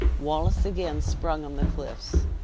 Wallace again sprung on the cliffs.